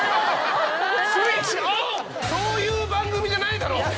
そういう番組じゃないだろ。